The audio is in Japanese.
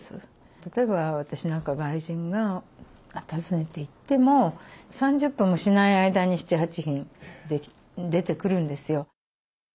例えば私なんか外人が訪ねて行っても３０分もしない間に７８品出てくるんですよ。